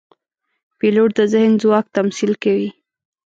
پیلوټ د ذهن ځواک تمثیل کوي.